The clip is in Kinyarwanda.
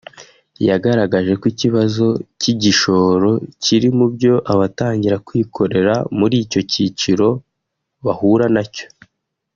yagaragaje ko ikibazo cy’igishoro kiri mu byo abatangira kwikorera muri icyo cyiciro bahura na cyo